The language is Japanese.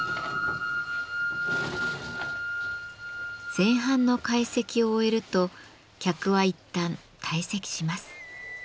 前半の懐石を終えると客はいったん退席します。